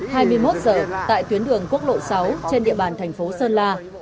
hai mươi một giờ tại tuyến đường quốc lộ sáu trên địa bàn thành phố sơn la